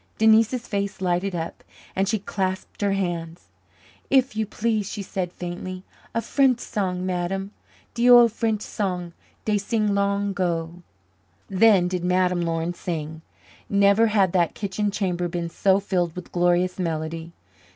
Denise's face lighted up, and she clasped her hands. "If you please," she said faintly. "A French song, Madame de ole French song dey sing long 'go." Then did Madame Laurin sing. Never had that kitchen chamber been so filled with glorious melody.